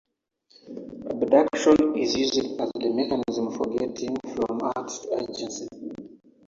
Abduction is used as the mechanism for getting from art to agency.